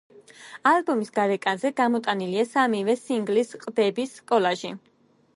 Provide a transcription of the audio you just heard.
ალბომის გარეკანზე გამოტანილია სამივე სინგლის ყდების კოლაჟი.